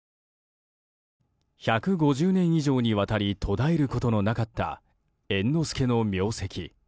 １５０年以上にわたり途絶えることのなかった猿之助の名跡。